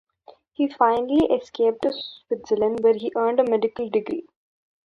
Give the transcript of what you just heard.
He finally escaped to Switzerland, where he earned a medical degree.